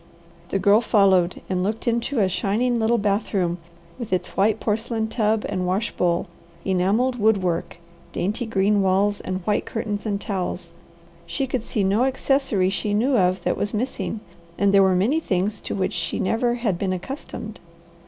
The Girl followed and looked into a shining little bathroom, with its white porcelain tub and wash bowl, enamelled wood work, dainty green walls, and white curtains and towels. She could see no accessory she knew of that was missing, and there were many things to which she never had been accustomed.